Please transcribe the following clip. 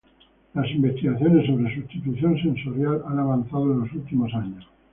Las investigaciones sobre sustitución sensorial han avanzado en los últimos años.